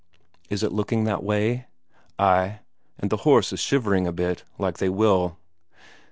"Is it looking that way?" "Ay. And the horse is shivering a bit, like they will."